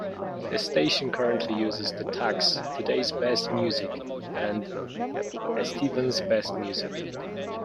The station currently uses the tags "Today's Best Music" and "Estevan's Best Music".